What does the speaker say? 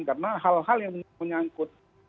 karena hal hal yang menyangkut